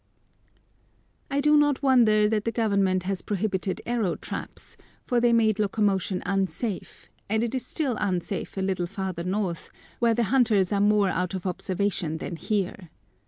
I do not wonder that the Government has prohibited arrow traps, for they made locomotion unsafe, and it is still unsafe a little farther north, where the hunters are more out of observation than here.